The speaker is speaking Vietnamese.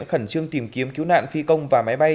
khẩn trương tìm kiếm cứu nạn phi công và máy bay